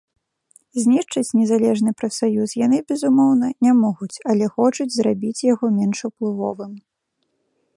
Знішчыць незалежны прафсаюз яны, безумоўна, не могуць, але хочуць зрабіць яго менш уплывовым.